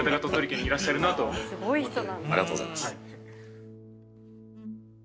ありがとうございます。